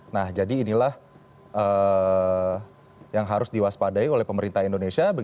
nah jadi inilah yang harus diwaspadai oleh pemerintah indonesia